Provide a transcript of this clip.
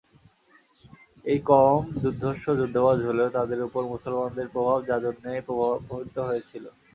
এই কওম দুর্ধর্ষ যুদ্ধবাজ হলেও তাদের উপর মুসলমানদের প্রভাব যাদুর ন্যায় প্রভাবিত হয়েছিল।